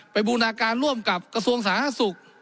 บูรณาการร่วมกับกระทรวงสาธารณสุข